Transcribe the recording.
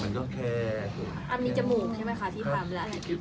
มีจมูกใช่มั้ยคะที่ทำแล้ว